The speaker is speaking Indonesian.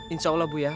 insya allah bu ya